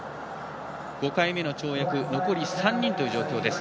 ５回目の跳躍残り３人という状況です。